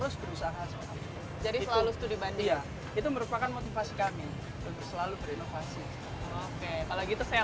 selalu studi banding itu merupakan motivasi kami selalu berinovasi oke kalau gitu saya